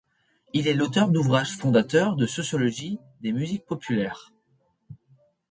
Il est l'auteur d'ouvrages fondateurs de sociologie des musiques populaires.